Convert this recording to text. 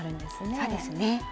そうですね。